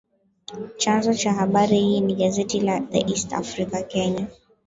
Chanzo cha habari hii ni gazeti la The East African Kenya